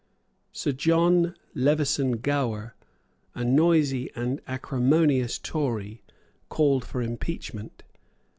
Sir John Levison Gower, a noisy and acrimonious Tory, called for impeachment.